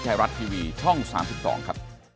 ไทยรัฐทีวีช่อง๓๒ครับ